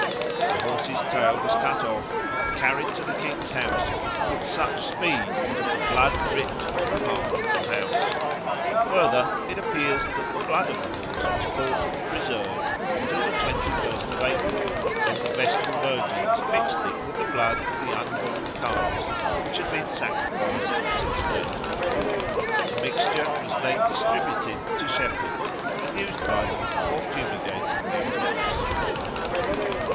The horse's tail was cut off and carried to the king's house with such speed that the blood dripped on the hearth of the house. Further, it appears that the blood of the horse was caught and preserved till the twenty first of April, when the Vestal Virgins mixed it with the blood of the unborn calves which had been sacrificed six days before. The mixture was then distributed to shepherds, and used by them for fumigating their flocks.